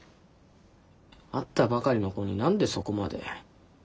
会ったばかりの子に何でそこまで。